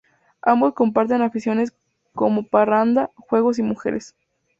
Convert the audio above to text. Ambos comparten aficiones como parranda, juego y mujeres.